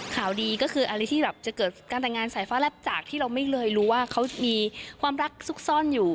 ข่าวดีก็คืออะไรที่แบบจะเกิดการแต่งงานสายฟ้าแลบจากที่เราไม่เคยรู้ว่าเขามีความรักซุกซ่อนอยู่